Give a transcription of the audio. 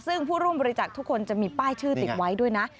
ซึ่งผู้ร่วมบริจาคทุกคนจะมีป้ายชื่อติดไว้ด้วยนะ